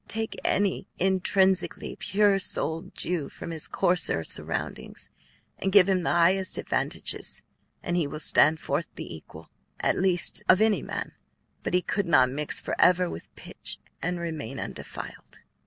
Take any intrinsically pure souled Jew from his coarser surroundings and give him the highest advantages, and he will stand forth the equal, at least, of any man; but he could not mix forever with pitch and remain undefiled."